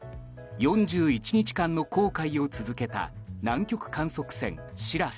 ４１日間の航海を続けた南極観測船「しらせ」。